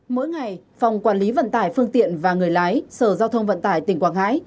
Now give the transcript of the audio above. mỗi ngày phòng quản lý vận tải phương tiện và người lái sở giao thông vận tải tỉnh quảng ngãi